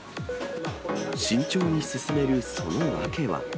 慎重に進めるその訳は。